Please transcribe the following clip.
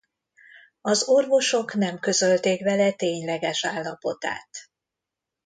Az orvosok nem közölték vele tényleges állapotát.